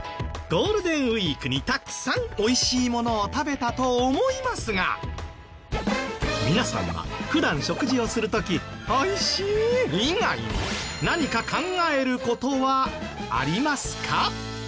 ゴールデンウィークにたくさん美味しいものを食べたと思いますが皆さんは普段食事をする時「美味しい」以外に何か考える事はありますか？